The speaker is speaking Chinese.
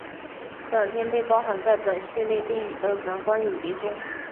短片被包含在本系列电影的蓝光影碟中。